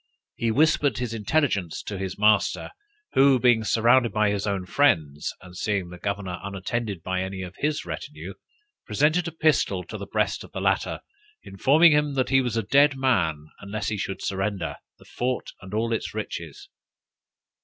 He whispered his intelligence to his master, who being surrounded by his own friends, and seeing the governor unattended by any of his retinue, presented a pistol to the breast of the latter, informing him that he was a dead man, unless he should surrender the fort and all its riches.